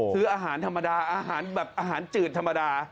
ซื้ออาหารธรรมดาอาหารแบบอาหารจืดธรรมดา